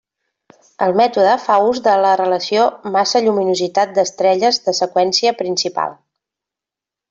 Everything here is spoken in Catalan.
El mètode fa ús de la relació massa-lluminositat d'estrelles de seqüència principal.